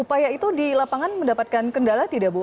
upaya itu di lapangan mendapatkan kendala tidak bu